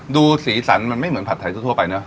ดูสีสันมันไม่เหมือนผัดไทยทั่วไปเนอะ